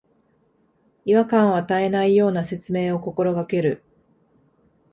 違和感を与えないような説明を心がける